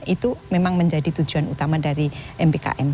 itu memang menjadi tujuan utama dari mbkm